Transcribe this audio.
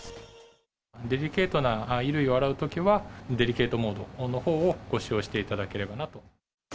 デリケートな衣類を洗うときには、デリケートモードのほうをご使用していただければなと。